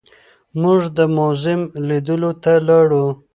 موږ د موزیم لیدلو ته لاړو.